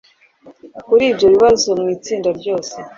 kuri ibyo bibazo mu itsinda ryose